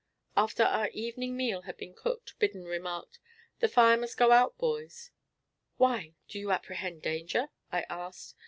After our evening meal had been cooked, Biddon remarked: "The fire must go out, boys." "Why? Do you apprehend danger?" I asked.